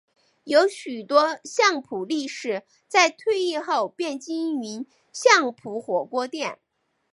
有许多相扑力士在退役后便经营相扑火锅店。